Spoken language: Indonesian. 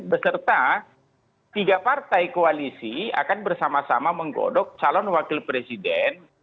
beserta tiga partai koalisi akan bersama sama menggodok calon wakil presiden